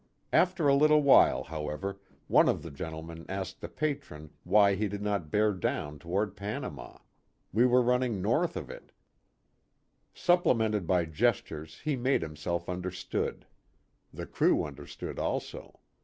; After a little however, one of the gentlemen asked the Patron why he did not bear down to ward Panama we were running north of it. A PICNIC NEAR THE EQUATOR. 59 Supplemented by gestures he made himself understood. The crew understood also.